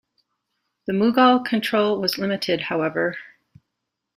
The Mughal control was limited, however.